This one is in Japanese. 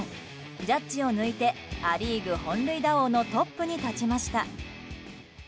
ジャッジを抜いてア・リーグ本塁打王のトップに立ちました。